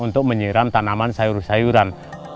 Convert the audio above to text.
untuk menyiram tanaman sayur sayuran